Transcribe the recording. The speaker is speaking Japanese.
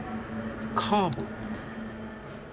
カーブ。